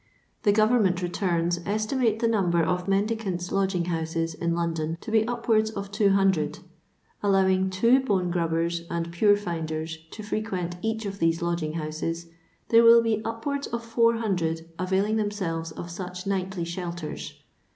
The Government returns esti mate the number of mendicants' lodgin^houscs in London to be upwards of 200. Allowing two bone grubbers and pure finders to frequent each of these lodging houses, there will be upwards of 400 availing themselves of such nightly shelters.